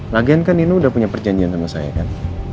lagian kan ini udah punya perjanjian sama saya kan